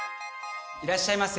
いらっしゃいませ。